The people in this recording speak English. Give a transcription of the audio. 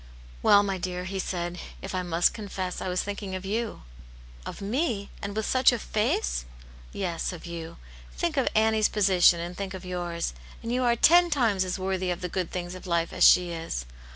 " Well, my dear," he said, " if I must confess, I was thinking of you." ." Of me ! And with such a face ?"" Yes, of you. Think of Annie's position, and think of yours ! And you are ten times as worthy of the good things of life as she is."